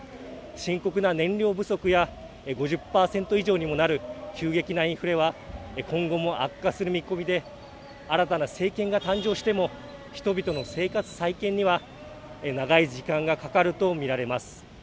深刻な燃料不足や５０％以上にもなる急激なインフレは今後も悪化する見込みで新たな政権が誕生しても人々の生活再建には長い時間がかかると見られます。